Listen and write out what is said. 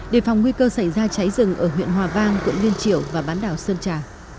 đề phòng nguy cơ xảy ra cháy rừng ở huyện hòa vang quận liên triểu và bán đảo sơn trà